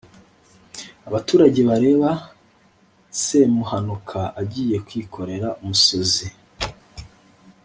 Abatuvage bareba Semuhanuka agiye kwikorera umusozi